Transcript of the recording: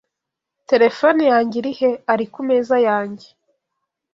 "Terefone yanjye iri he?" "Ari ku meza yanjye."